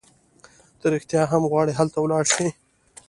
ته رېښتیا هم غواړي هلته ولاړه شې؟